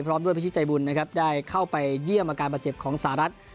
พร้อมด้วยพิชิตใจบุญนะครับได้เข้าไปเยี่ยมอาการบาดเจ็บของสหรัฐ